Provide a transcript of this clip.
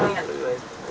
terima kasih pak anies